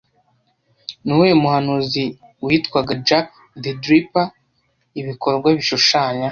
Ni uwuhe muhanzi witwaga "Jack the Dripper" ibikorwa bishushanya